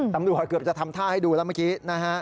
ตำรวจคือจะทำท่าให้ดูแล้วเมื่อกี้